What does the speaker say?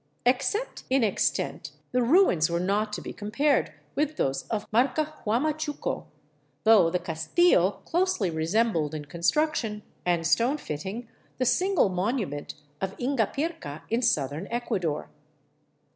Except in ex tent, the ruins were not to be compared with those of Marca Huamachuco, though the " castillo " closely resembled in construction and stone fitting the single monument of Ingapirca in southern Ecuador.